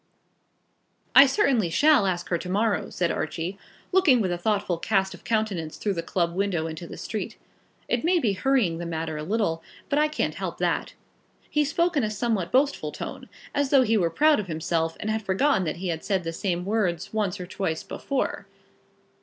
"I certainly shall ask her to morrow," said Archie, looking with a thoughtful cast of countenance through the club window into the street. "It may be hurrying the matter a little, but I can't help that." He spoke in a somewhat boastful tone, as though he were proud of himself and had forgotten that he had said the same words once or twice before.